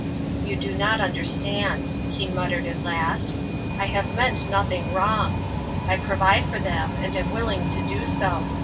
" You do not understand," he muttered, at last. " I have meant notliing wrong. I provide for them, and am willing to do so.